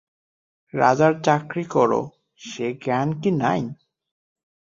রাজার চাকরী কর সে জ্ঞান কি নাই?